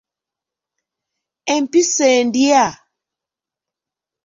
Empisi endya.